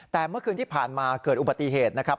แต่เมื่อคืนที่ผ่านมาเกิดอุบัติเหตุนะครับ